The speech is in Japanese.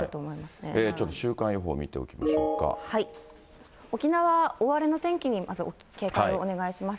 ちょっと週間予報見ておきま沖縄、大荒れの天気に、まず警戒をお願いします。